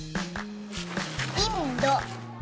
インド。